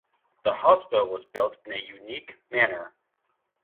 The hospital was built in a unique manner.